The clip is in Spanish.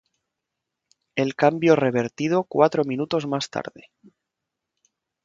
El cambio revertido cuatro minutos más tarde.